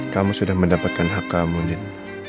kamu sudah mendapatkan hak kamu din